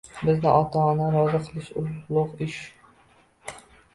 Bizda ota-onani rozi qilish ulug‘ ish